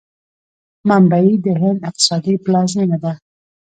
ممبۍ د هند اقتصادي پلازمینه ده.